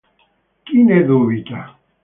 Chi ne dubita?